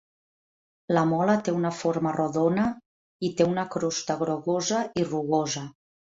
La mola té una forma rodona i té una crosta grogosa i rugosa.